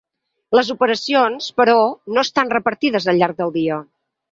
Les operacions, però, no estan repartides al llarg del dia.